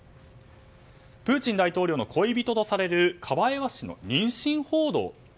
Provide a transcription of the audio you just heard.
プーチン大統領の恋人とされるカバエワ氏の妊娠報道。